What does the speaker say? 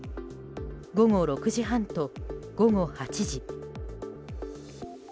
午後６時半と午後８時。